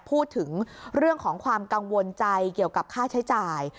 พูดถึงเรื่องของความกังวลใจเกี่ยวกับค่าใช้จ่าย